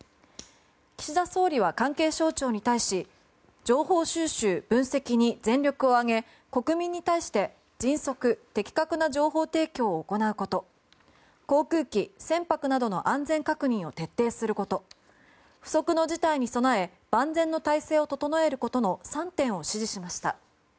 岸田総理は関係省庁に対し情報収集・分析に全力を挙げ国民に対して迅速・的確な情報提供を行うこと航空機、船舶などの安全確認を徹底すること不測の事態に備え万全の態勢を整えることの３点を指示しました。